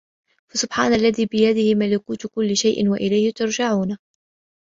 فَسُبحانَ الَّذي بِيَدِهِ مَلَكوتُ كُلِّ شَيءٍ وَإِلَيهِ تُرجَعونَ